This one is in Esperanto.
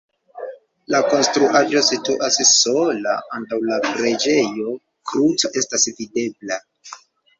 La konstruaĵo situas sola, antaŭ la preĝejo kruco estas videbla.